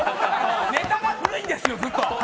ネタが古いんですよ、ずっと。